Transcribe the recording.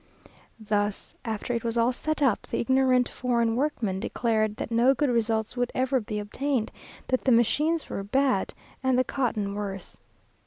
There, after it was all set up, the ignorant foreign workmen declared that no good results would ever be obtained; that the machines were bad, and the cotton worse.